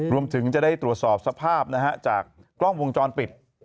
รวมถึงจะได้ตรวจสอบสภาพจากกล้องวงจรปิด